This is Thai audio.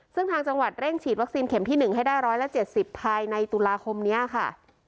ซึ่งทางจังหวัดเร่งฉีดวัคซีนเข็มที่หนึ่งให้ได้ร้อยละเจ็ดสิบภายในตุลาคมเนี้ยค่ะ